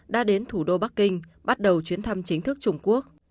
đã đến thủ đô bắc kinh bắt đầu chuyến thăm chính thức trung quốc